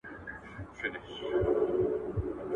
سياسي نظريې د خلګو په ژوند څه اغېز لري؟